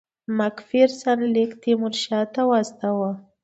مک فیرسن لیک تیمورشاه ته واستاوه.